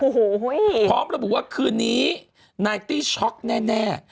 โอ้โหพร้อมระบุว่าคืนนี้นายตี้ช็อกแน่